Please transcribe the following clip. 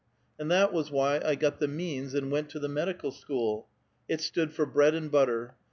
And that was why I got the means and went to the medical school ; it stood for bread and butter.